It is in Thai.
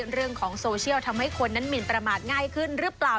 เรื่องของโซเชียลทำให้คนนั้นหมินประมาทง่ายขึ้นหรือเปล่า